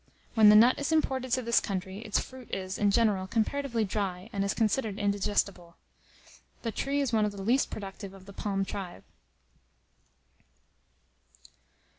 When the nut is imported to this country, its fruit is, in general, comparatively dry, and is considered indigestible. The tree is one of the least productive of the palm tribe.